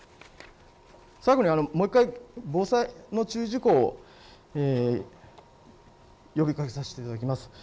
最後にもう１回防災の注意事項を呼びかけさせてください。